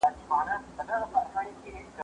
زه هره ورځ تمرين کوم؟!